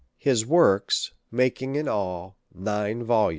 8vo. His Works, making in all 9 vol.